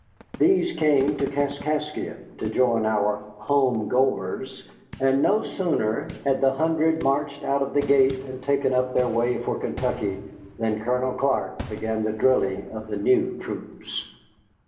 These came to Kaskaskia to join our home goers, and no sooner had the hundred marched out of the gate and taken up their way for Kentucky than Colonel Clark began the drilling of the new troops.